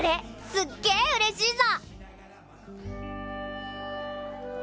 すっげえうれしいぞ！